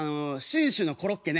信州のコロッケ。